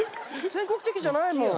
全国的じゃないもん。